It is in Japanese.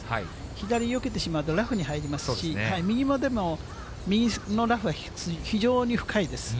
左によけてしまうとラフに入りますし、右も、でも、右のラフが非常に深いです。